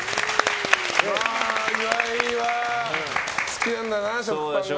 岩井は好きなんだな食パンが。